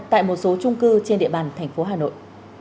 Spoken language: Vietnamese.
tại một số trung cư trên địa bàn thành phố hà nội